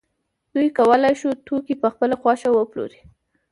دوی کولای شو توکي په خپله خوښه وپلوري